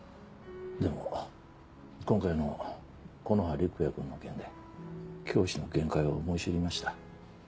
でも今回の木の葉陸也君の件で教師の限界を思い知りました。